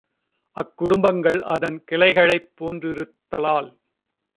அக் குடும்பங்கள் அதன் கிளைகளைப் போன் றிருத்தலால்